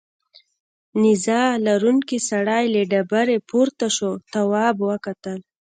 نیزه لرونکی سړی له ډبرې پورته شو تواب وکتل.